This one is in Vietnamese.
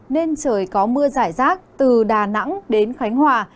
nên trời có mưa giải rác từ đà nẵng đến khánh hòa